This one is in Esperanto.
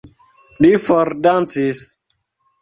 Li fordancis.